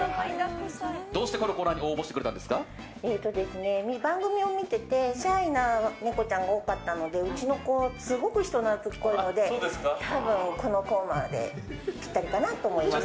どうしてこのコーナーに番組を見ていてシャイなネコちゃんが多かったので、うちの子はすごく人懐っこいので多分、このコーナーにぴったりかなと思いました。